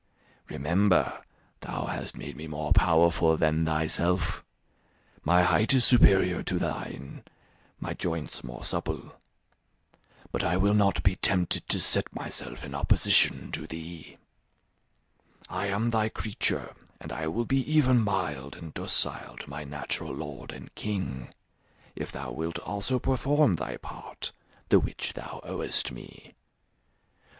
Remember, thou hast made me more powerful than thyself; my height is superior to thine, my joints more supple. But I will not be tempted to set myself in opposition to thee. I am thy creature, and I will be even mild and docile to my natural lord and king if thou wilt also perform thy part, the which thou owest me.